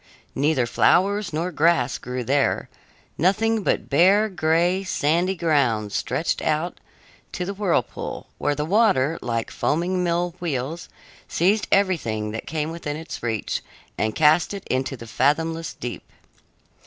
Neither flowers nor grass grew there; nothing but bare, gray, sandy ground stretched out to the whirlpool, where the water, like foaming mill wheels, seized everything that came within its reach and cast it into the fathomless deep.